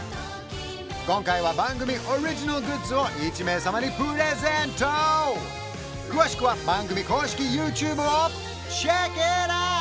今回は番組オリジナルグッズを１名様にプレゼント詳しくは番組公式ＹｏｕＴｕｂｅをｃｈｅｃｋｉｔｏｕｔ！